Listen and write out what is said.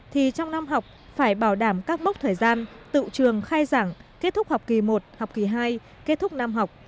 thì trong năm học phải bảo đảm các mốc thời gian tự trường khai giảng kết thúc học kỳ một học kỳ hai kết thúc năm học